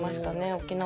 沖縄。